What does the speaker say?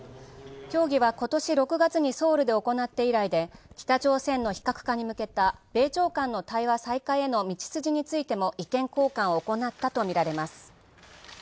協議は今年６月にソウルで行った以来で非核化に向けた米朝間の対話再開への道筋についても意見交換を行ったとみられます。